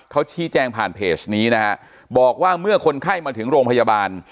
เขาชี้แจงผ่านเพจนี้นะฮะบอกว่าเมื่อคนไข้มาถึงโรงพยาบาล